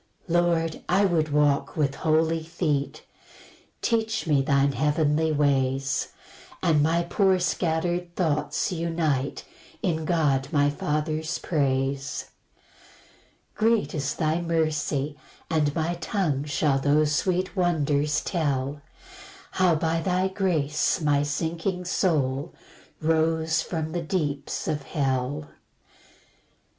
3 Lord, I would walk with holy feet; Teach me thine heavenly ways, And my poor scatter'd thoughts unite In God my Father's praise. 4 Great is thy mercy, and my tongue Shall those sweet wonders tell, How by thy grace my sinking soul Rose from the deeps of hell.